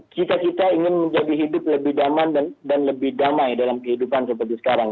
kita ingin menjadi hidup lebih damai dalam kehidupan seperti sekarang